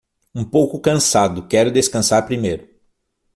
Um pouco cansado, quero descansar primeiro.